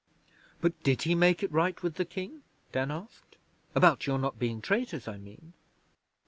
'But did he make it right with the King?' Dan asked. 'About your not being traitors, I mean.'